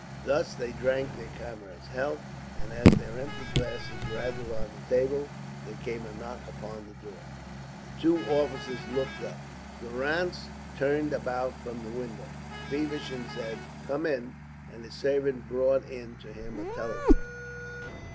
Thus they drank their comrade's health, and as their empty glasses rattled on the table, there came a knock upon the door. The two officers looked up. Durrance turned about from the window. Feversham said, "Come in;" and his servant brought in to him a telegram.